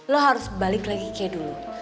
lo harus balik lagi c dulu